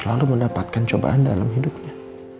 tidak ada yang mendapatkan cobaan dalam hidupnya